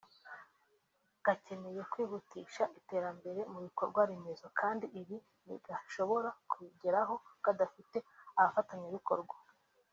gakeneye kwihutisha iterambere mu bikorwaremezo kandi ibi ntigashobora kubigeraho kadafite abafatanyabikorwa